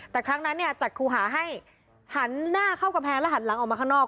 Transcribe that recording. แต่ครั้งนั้นเนี่ยจัดครูหาให้หันหน้าเข้ากำแพงแล้วหันหลังออกมาข้างนอก